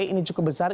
ini cukup besar